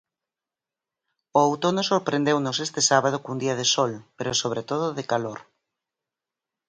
O outono sorprendeunos este sábado cun día de sol, pero sobre todo de calor.